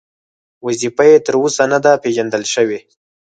وظیفه یې تر اوسه نه ده پېژندل شوې.